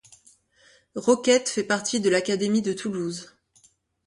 Roquettes fait partie de l'académie de Toulouse.